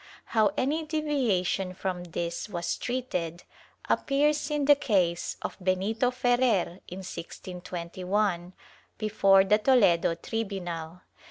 ^ How any deviation from this was treated, appears in the case of Benito Ferrer, in 1621, before the Toledo tribunal.